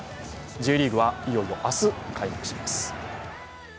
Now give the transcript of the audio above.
Ｊリーグは、いよいよ明日開幕します。